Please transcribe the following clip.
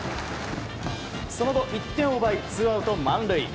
その後１点を奪いツーアウト満塁。